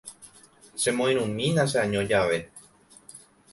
Chemoirũmína che'año jave.